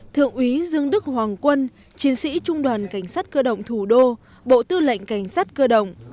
thượng úy dương đức hoàng quân chiến sĩ trung đoàn cảnh sát cơ động thủ đô bộ tư lệnh cảnh sát cơ động